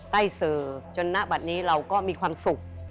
สื่อจนณบัตรนี้เราก็มีความสุข